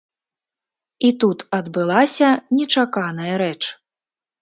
І тут адбылася нечаканая рэч.